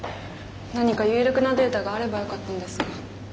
何か有力なデータがあればよかったんですが。